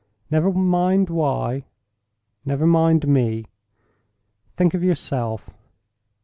Never mind why—never mind Me—think of yourself.